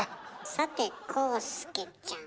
さて浩介ちゃん。